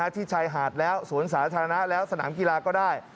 ที่ชายหาดแล้วสวนสาธารณะแล้วสนามกีฬาก็ได้